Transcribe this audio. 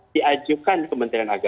diajukan kementerian agama